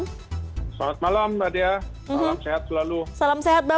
selamat malam mbak dya selamat sehat selalu